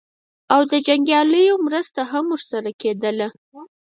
او د جنګیالیو مرسته هم ورسره کېدله.